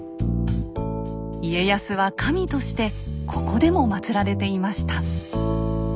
家康は神としてここでもまつられていました。